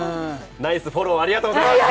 ナイスフォローありがとうございます！